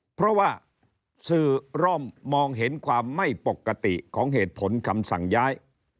เพราะว่าสื่อร่อมมองเห็นความไม่ปกติของเหตุผลคำสั่งย้าย